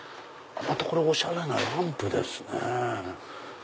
これおしゃれなランプですね。